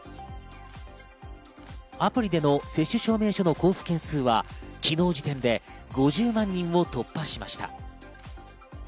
アプリへの接種証明書の交付件数は昨日時点で５０万人を突破しました。